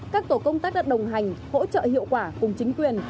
các tổ công tác đã đồng hành hỗ trợ hiệu quả cùng chính quyền